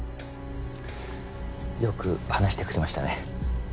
よく話してくれましたね。